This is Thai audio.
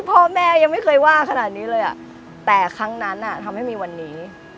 พ่อแม่ยังไม่เคยว่าขนาดนี้เลยแต่ครั้งนั้นทำให้มีวันนี้